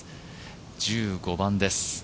１５番です。